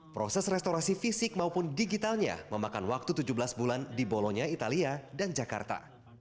proses restorasi fisik maupun digitalnya memakan waktu tujuh belas bulan di bolonya italia dan jakarta